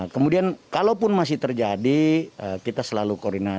kemudian kalau pun masih terjadi kita selalu koordinasi